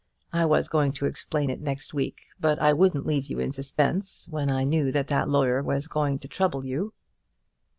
I was going to explain it next week, but I wouldn't leave you in suspense when I knew that that lawyer was going to trouble you."